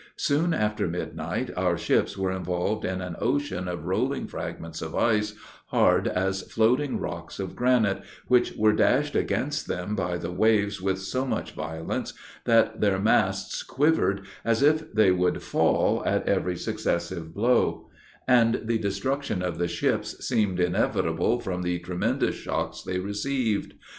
Soon after midnight, our ships were involved in an ocean of rolling fragments of ice, hard as floating rocks of granite, which were dashed against them by the waves with so much violence, that their masts quivered as if they would fall, at every successive blow; and the destruction of the ships seemed inevitable from the tremendous shocks they received.